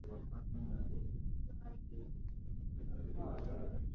Omar Abdirashid Ali Sharmarke